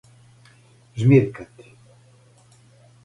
жмиркати